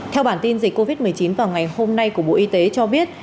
theo bản tin dịch covid một mươi chín vào ngày hôm nay của bộ y tế cho biết